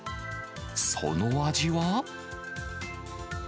その味は。